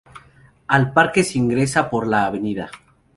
Al parque se ingresa por la Av.